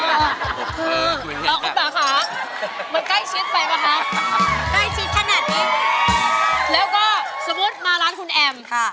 แล้วก็สมมติมาร้านคุณแอมค่ะ